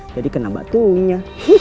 jadi kena batunya